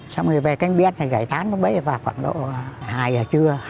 xong rồi về canh biến rồi giải tán bây giờ vào khoảng độ hai giờ trưa